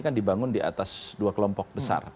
kan dibangun di atas dua kelompok besar